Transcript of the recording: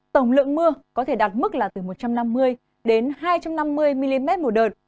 tổng lượng mưa có thể đạt mức là từ một trăm năm mươi đến hai trăm năm mươi mm một đợt